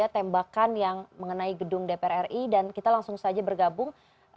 tembakan yang mengenai gedung dpr ri dan kita langsung saja bergabung